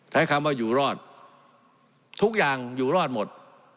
ใช้คำว่าอยู่รอดทุกอย่างอยู่รอดหมด